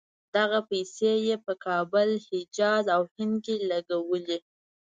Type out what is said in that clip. دغه پیسې یې په کابل، حجاز او هند کې لګولې.